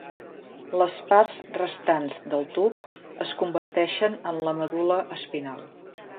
Les parts restants del tub es converteixen en la medul·la espinal.